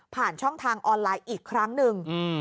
ผ่านช่องทางออนไลน์อีกครั้งหนึ่ง